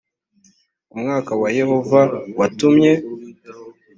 umwuka wa yehova watumye